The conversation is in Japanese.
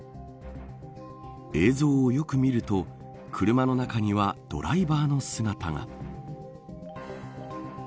映像をよく見ると車の中にはドライバーの姿が。